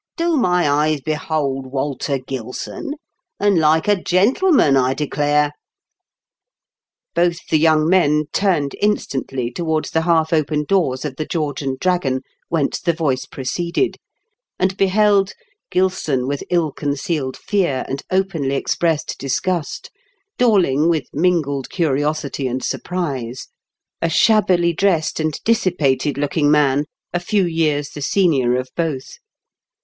"Do my eyes behold Walter Gilson ? And like a gentleman, I declare !" Both the young men turned instantly towards the half open doors of The George and Dragon, whence the voice proceeded, and beheld — Gilson with ill concealed fear and openly expressed disgust, Doriing with mingled curiosity and surprise — a shabbily dressed and TEE DOOMED OF THE DARK ENTRY. 185 dissipated looking man, a few years the senior of both.